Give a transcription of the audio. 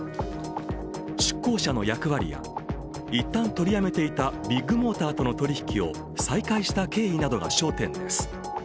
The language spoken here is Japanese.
出向者の役割や一旦取りやめていたビッグモーターとの取り引きを再開した経緯などが焦点です。